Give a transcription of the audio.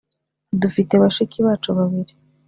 dufite bashiki bacu babiri.